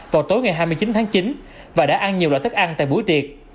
vào tối ngày hai mươi chín tháng chín và đã ăn nhiều loại thức ăn tại buổi tiệc